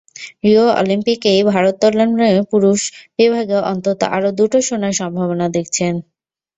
Rio অলিম্পিকেই ভারোত্তলনে পুরুষ বিভাগে অন্তত আরও দুটো সোনার সম্ভাবনা দেখছেন।